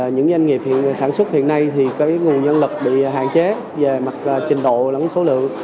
những doanh nghiệp sản xuất hiện nay thì cái nguồn nhân lực bị hạn chế về mặt trình độ lẫn số lượng